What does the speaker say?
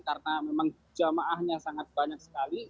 karena memang jemaahnya sangat banyak sekali